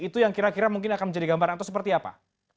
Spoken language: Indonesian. itu yang kira kira mungkin akan menjadi gambaran atau seperti apa